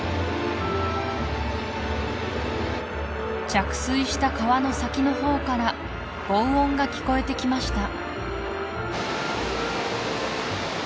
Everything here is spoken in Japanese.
着水した川の先の方からごう音が聞こえてきました